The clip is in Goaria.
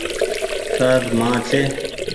تآر مان ڇي ۔